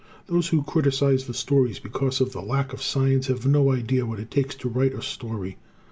Those who criticize the stories because of the lack of science have no idea what it takes to write a story.